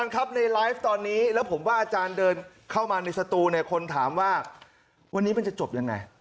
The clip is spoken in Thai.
ครับในไลฟ์ตอนนี้แล้วผมว่าอาจารย์เดินเข้ามาในสตูเนี่ยคนถามว่าวันนี้มันจะจบยังไง